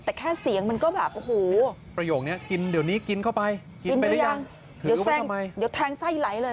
แต่แค่เสียงมันก็แบบโอ้โหประโยคนี้กินเดี๋ยวนี้กินเข้าไปกินไปหรือยังเดี๋ยวแซ่งไปเดี๋ยวแทงไส้ไหลเลย